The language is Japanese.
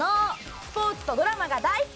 スポーツとドラマが大好き！